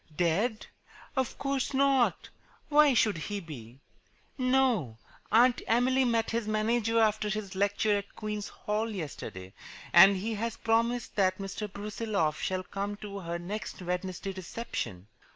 "Dead? Of course not. Why should he be? No, Aunt Emily met his manager after his lecture at Queen's Hall yesterday, and he has promised that Mr. Brusiloff shall come to her next Wednesday reception."